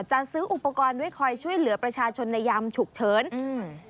จะซื้ออุปกรณ์ไว้คอยช่วยเหลือประชาชนในยามฉุกเฉินอืม